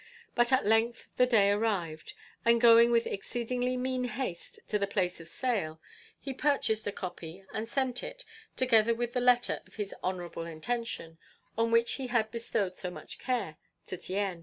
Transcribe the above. But at length the day arrived, and going with exceedingly mean haste to the place of sale, he purchased a copy and sent it, together with the letter of his honourable intention, on which he had bestowed so much care, to Tien.